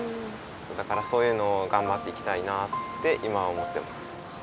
だからそういうのをがんばっていきたいなって今は思ってます。